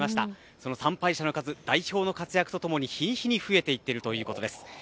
その参拝者の数、代表の活躍とともに日に日に増えていっているということです。